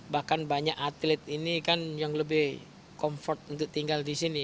bahkan banyak atlet ini kan yang lebih comfort untuk tinggal di sini